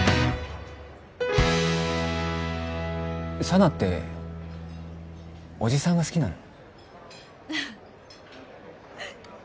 佐奈っておじさんが好きなの？